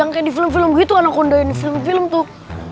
yang kayak di film film gitu anak kondanya di film film tuh